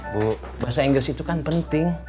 bu bahasa inggris itu kan penting